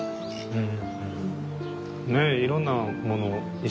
うん。